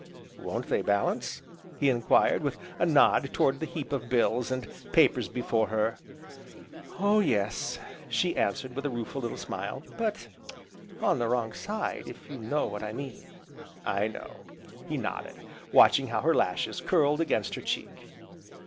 "Won't they balance?" he enquired, with a nod toward the heap of bills, and papers before her. "Oh yes," she answered with a rueful little smile, "but on the wrong side, if you know what I mean." "I know," he nodded, watching how her lashes curled against her cheek.